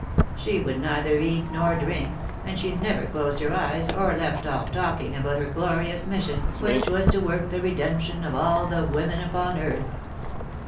She would neither eat nor drink, and she never closed her eyes, or left off talking about her glorious mission, which was to work the redemption of ail the women upon earth."